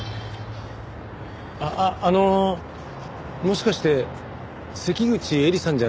あのもしかして関口エリさんじゃないですか？